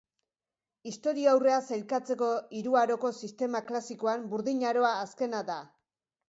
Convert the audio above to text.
Historiaurrea sailkatzeko hiru aroko sistema klasikoan, Burdin Aroa azkena da.